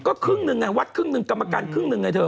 ก็ครึ่งหนึ่งไงวัดครึ่งหนึ่งกรรมการครึ่งหนึ่งไงเธอ